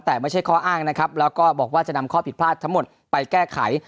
แต่ไม่ใช่ข้ออ้างนะครับแล้วก็บอกว่าจะนำข้อผิดพลาดทั้งหมดไปแก้ไข